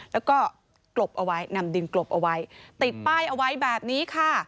แล้วก็กลบเอาไว้นำดินกลบเอาไว้ติดป้ายเอาไว้แบบนี้ค่ะ